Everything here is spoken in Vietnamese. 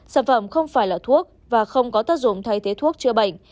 sản phẩm không phải là thuốc và không có tác dụng thay thế thuốc chữa bệnh